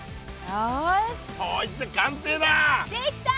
よし！